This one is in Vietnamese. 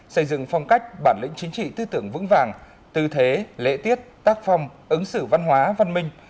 xây dựng phong cách bản lĩnh chính trị tư tưởng vững vàng tư thế lễ tiết tác phong ứng xử văn hóa văn minh